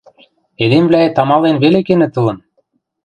Эдемвлӓэт амален веле кенӹт ылын.